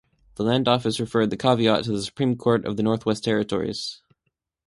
The land office referred the caveat to the Supreme Court of the Northwest Territories.